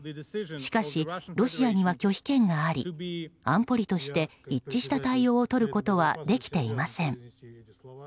しかし、ロシアには拒否権があり安保理として一致した対応をとることはできていません。